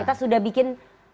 kita sudah bikin